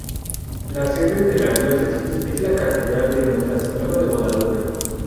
La sede de la Diócesis es la Catedral de Nuestra Señora de Guadalupe.